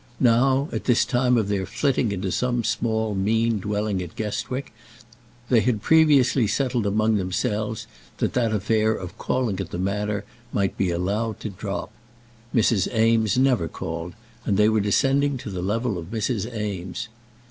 Now, at this time of their flitting into some small mean dwelling at Guestwick, they had previously settled among themselves that that affair of calling at the Manor might be allowed to drop. Mrs. Eames never called, and they were descending to the level of Mrs. Eames.